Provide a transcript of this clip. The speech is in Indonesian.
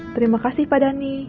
terima kasih pak dhani